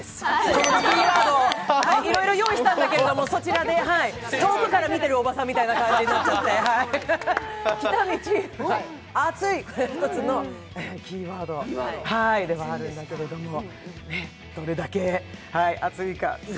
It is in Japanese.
このキーワード、いろいろ用意したんだけれどもそちらで遠くから見てるおばさんみたいな感じになっちゃって、喜多見チーフが熱いというのがキーワードとしてあるんだけれどもどれだけ熱いか。